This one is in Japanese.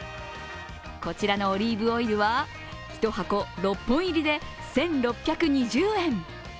こちらのオリーブオイルは１箱６本入りで１６２０円。